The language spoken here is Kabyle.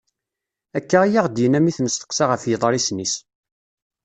Akka i aɣ-d-yenna mi i t-nesteqsa ɣef yiḍrisen-is.